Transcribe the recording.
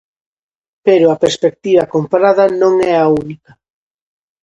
Pero a perspectiva comparada non é a única.